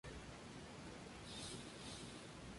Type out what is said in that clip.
La eficacia contrarrevolucionaria en la Guerra Civil".